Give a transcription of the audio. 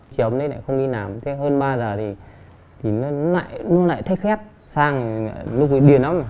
chiều hôm đấy lại không đi nằm thế hơn ba giờ thì nó lại nó lại thấy khét sang nó bị điền lắm